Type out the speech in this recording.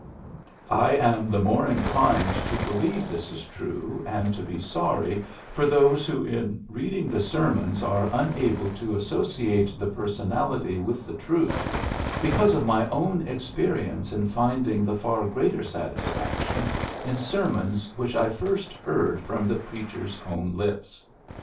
I am the more inclined to believe this is true, and to be sorry for those who in reading the sermons are unable to associate the Personality with the Truth, because of my own experi ence in finding the far greater satisfac tion in sermons which I first heard from the preacher's own lips.